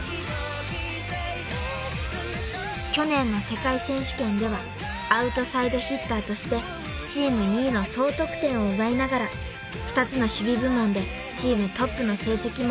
［去年の世界選手権ではアウトサイドヒッターとしてチーム２位の総得点を奪いながら２つの守備部門でチームトップの成績もマーク］